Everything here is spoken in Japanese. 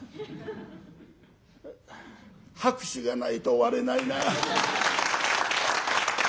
拍手がないと終われないな。